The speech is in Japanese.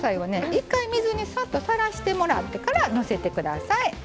一回水にサッとさらしてもらってからのせて下さい。